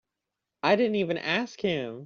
I didn't even ask him.